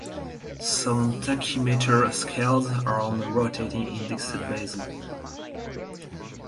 Some tachymeter scales are on a rotating, indexed bezel.